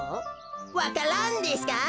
わか蘭ですか？